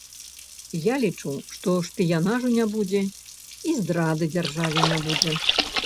Я лічу, што шпіянажу не будзе і здрады дзяржаве не будзе.